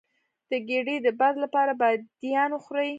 د ګیډې د باد لپاره بادیان وخورئ